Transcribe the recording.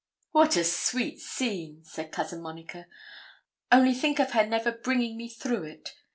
'What a sweet scene!' said Cousin Monica: 'only think of her never bringing me through it.